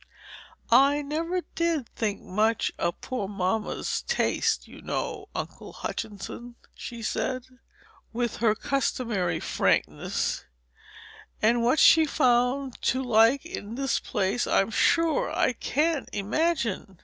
"I never did think much of poor dear mamma's taste, you know, Uncle Hutchinson," she said, with her customary frankness, "and what she found to like in this place I'm sure I can't imagine.